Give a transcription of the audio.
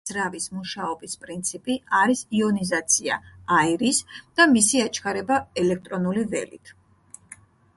იონის ძრავის მუშაობის პრინციპი არის იონიზაცია აირის და მისი აჩქარება ელექტრონული ველით.